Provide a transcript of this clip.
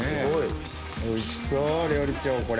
おいしそう料理長これ。